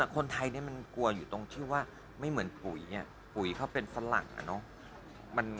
คนไทยมันกลัวอยู่ตรงที่ว่าไม่เหมือนปุ๋ยปุ๋ยเขาเป็นฝรั่งอ่ะเนอะ